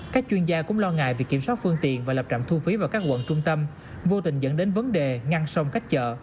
các chuyên gia cũng lo ngại việc kiểm soát phương tiện và lập trạm thu phí vào các quận trung tâm vô tình dẫn đến vấn đề ngăn sông các chợ